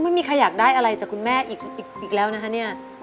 ไม่มีใครอยากได้อะไรจากคุณแม่อีกแล้วนะคะเนี่ย